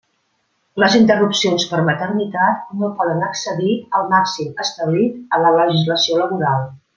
Les interrupcions per maternitat no poden excedir el màxim establit en la legislació laboral.